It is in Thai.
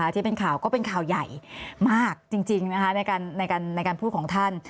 ที่เป็นข่าวก็เป็นข่าวใหญ่มากจริงในการพูดของท่าน